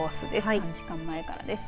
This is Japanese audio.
３時間前からです。